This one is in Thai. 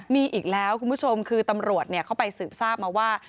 มีอีกแล้วคุณผู้ชมคือตำรวจเข้าไปสืบทราบมาว่า